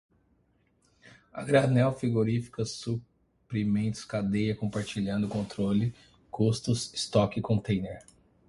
a granel frigoríficas suprimentos cadeia compartilhado controle custos estoque contêiner